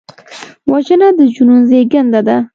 وژنه د جنون زیږنده ده